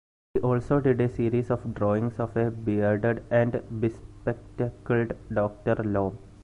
He also did a series of drawings of a bearded and bespectacled Doctor Loam.